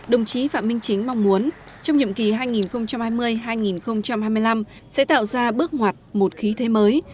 đồng chí phạm minh chính mong muốn trong nhiệm kỳ hai nghìn hai mươi hai nghìn hai mươi năm sẽ tạo ra bước ngoặt một khí thế mới